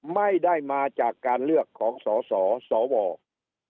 ไม่ได้มาจากการเลือกของสสว